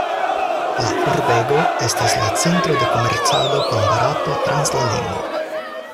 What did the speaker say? La urbego estas la centro de komercado kun Barato trans la limo.